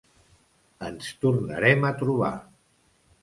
Ens tornarem a trobar.